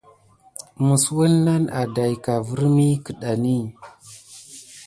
Məs wouna nà aɗaïka virmi keɗani.